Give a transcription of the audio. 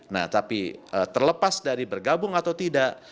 nah tapi terlepas dari bergabung atau tidak